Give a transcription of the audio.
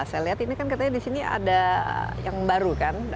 saya lihat ini kan katanya di sini ada yang baru kan